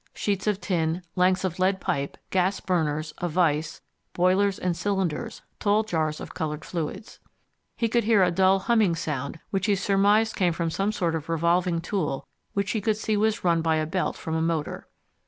Sheets of tin, lengths of lead pipe, gas burners, a vise, boilers and cylinders, tall jars of coloured fluids. He could hear a dull humming sound, which he surmised came from some sort of revolving tool which he could see was run by a belt from a motor.